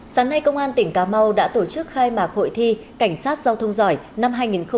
sáng nay công an tỉnh cà mau đã tổ chức khai mạc hội thi cảnh sát giao thông giỏi năm hai nghìn hai mươi